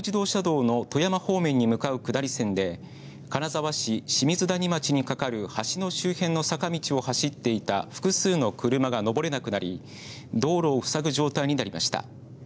北陸自動車道の富山方面に向かう下り線で金沢市清水谷町に架かる橋の周辺の坂道を走っていた複数の車が登れなくなり道路をふさぐ状態になりました。